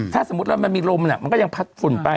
ถ้าสมมุติว่ามันมีลมมันก็ยังพัดฝุ่นไป